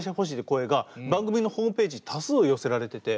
声が番組のホームページに多数寄せられてて。